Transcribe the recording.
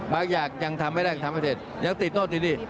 บางอย่างยังทำไม่ได้ทำไม่เจ็ดยังติดโทษอย่างนี้